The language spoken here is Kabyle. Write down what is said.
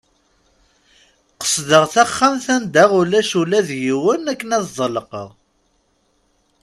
Qesdeɣ taxxamt anda ulac ula yiwen akken ad ḍelqeɣ.